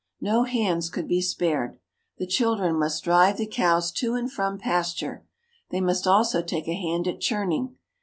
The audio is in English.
No hands could be spared. The children must drive the cows to and from pasture. They must also take a hand at churning.